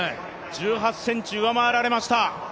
１８ｃｍ上回られました。